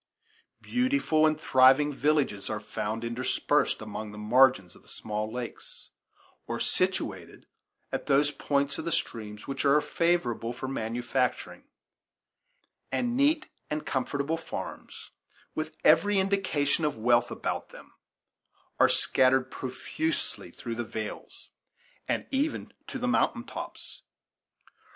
Beautiful and thriving villages are found interspersed along the margins of the small lakes, or situated at those points of the streams which are favorable for manufacturing; and neat and comfortable farms, with every indication of wealth about them, are scattered profusely through the vales, and even to the mountain tops.